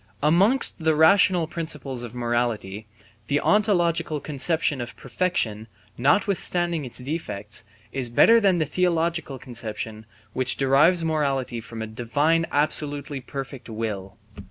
Amongst the rational principles of morality, the ontological conception of perfection, notwithstanding its defects, is better than the theological conception which derives morality from a Divine absolutely perfect will.